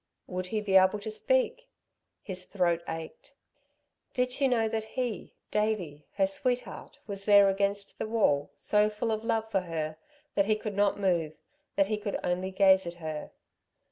Would he be able to speak? His throat ached. Did she know that he, Davey, her sweetheart, was there against the wall, so full of love for her that he could not move, that he could only gaze at her.